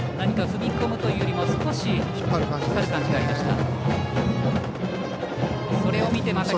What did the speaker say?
踏み込むというよりも引っ張る感じに見えました。